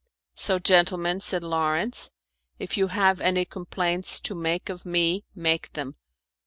"So, gentlemen," said Lawrence, "if you have any complaints to make of me make them.